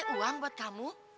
ini teh uang buat kamu